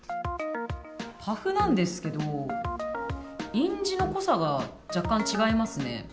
パフなんですけど印字の濃さが若干違いますね。